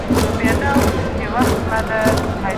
په ټولنیزو رسنیو کې ډېر ښه او بد څه ویل کېږي.